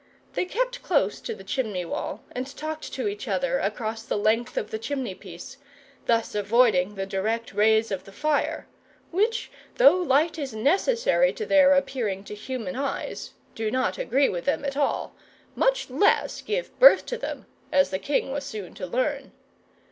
They kept close to the chimney wall, and talked to each other across the length of the chimney piece; thus avoiding the direct rays of the fire, which, though light is necessary to their appearing to human eyes, do not agree with them at all much less give birth to them, as the king was soon to learn.